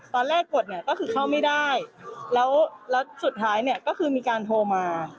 ตอนแรกกดก็คือเขาไม่ได้แล้วสุดท้ายก็คือมีการโทรมา